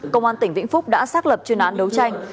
công an tỉnh vĩnh phúc đã xác lập chuyên án đấu tranh